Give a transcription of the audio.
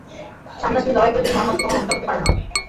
সামনা-সামনি লড়াই করে তুমি মুহাম্মাদকে কখনও হত্যা করতে পারবে না।